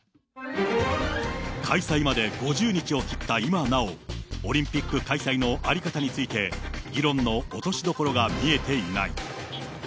開催まで５０日を切った今なお、オリンピック開催の在り方について、議論の落としどころが見えていない。